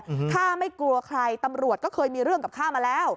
ข้าไม่กลัวใครตำรวจก็เคยมีเรื่องกับข้ามาแล้ว